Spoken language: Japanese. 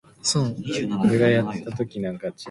かつて、地球には極域に氷床が存在しない時期があった。